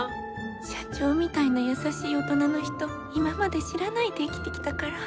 社長みたいな優しい大人の人今まで知らないで生きてきたから。